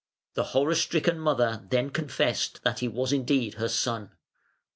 The horror stricken mother then confessed that he was indeed her son.